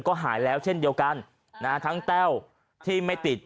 ก็หายแล้วเช่นเดียวกันนะฮะทั้งแต้วที่ไม่ติด